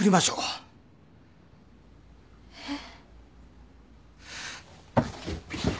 えっ？